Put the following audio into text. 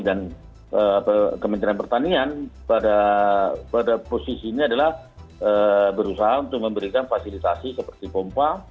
dan kementerian pertanian pada posisinya adalah berusaha untuk memberikan fasilitasi seperti pompa